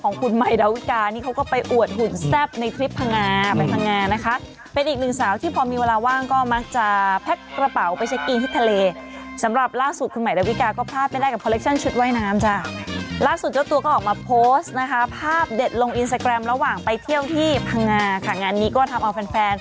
นุ่นดูมไปแต่งเต๋อง้อยคนไปดูกันโอ้โหมหากรรมแบบว่าเต๋อง้อยนะฮะ